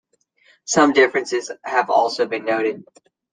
Some differences have also been noted.